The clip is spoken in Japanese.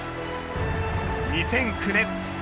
２００９年。